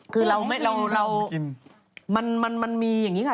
คือเรามันมีอย่างนี้ค่ะ